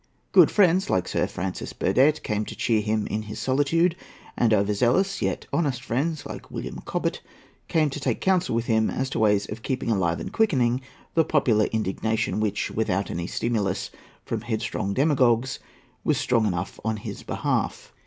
Good friends, like Sir Francis Burdett, came to cheer him in his solitude, and over zealous, yet honest, friends, like William Cobbett, came to take counsel with him as to ways of keeping alive and quickening the popular indignation which, without any stimulants from headstrong demagogues, was strong enough on his behalf.